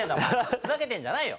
ふざけてんじゃないよ。